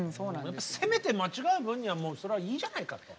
攻めて間違える分にはそれはいいじゃないかと。